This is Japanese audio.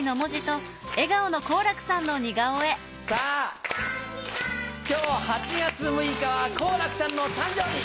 さぁ今日８月６日は好楽さんの誕生日！